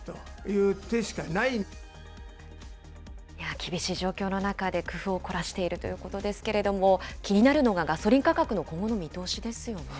厳しい状況の中で工夫を凝らしているということですけれども、気になるのがガソリン価格の今後の見通しですよね。